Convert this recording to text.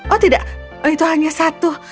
oh tidak itu hanya satu